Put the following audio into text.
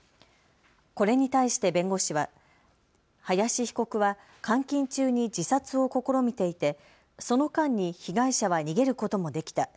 これに対して弁護士は林被告は監禁中に自殺を試みていてその間に被害者は逃げることもできた。